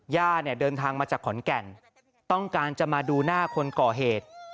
ย่าเนี่ยเดินทางมาจากขอนแก่นต้องการจะมาดูหน้าคนก่อเหตุ